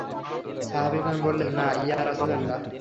সাহাবীগণ বললেন, না, ইয়া রাসূলাল্লাহ।